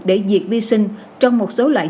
để diệt vi sinh trong một số loại